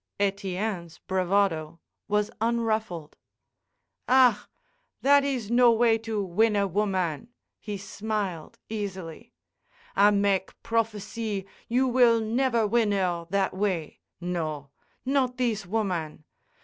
Etienne's bravado was unruffled. "Ah! that is no way to win a woman," he smiled, easily. "I make prophecy you will never win 'er that way. No. Not thees woman.